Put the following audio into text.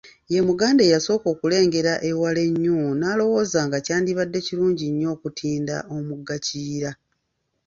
Ye Muganda eyasooka okulengera ewala ennyo n'alowooza nga kyandibadde kirungi nnyo okutinda omugga Kiyira.